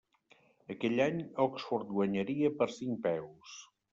Aquell any, Oxford guanyaria per cinc peus.